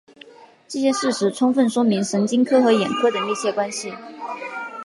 这些事实充分说明神经科和眼科的密切关系。